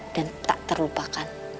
dan tak terlupakan